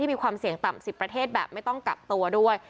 มีความเสี่ยงต่ำ๑๐ประเทศแบบไม่ต้องกักตัวด้วย